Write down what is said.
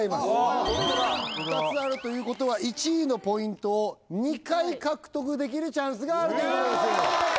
ホントだ２つあるということは１位のポイントを２回獲得できるチャンスがあるということです